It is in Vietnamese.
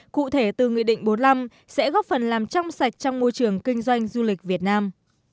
cụ thể từ nghị định bốn mươi năm sẽ góp phần làm trong sạch trong môi trường kinh doanh du lịch việt nam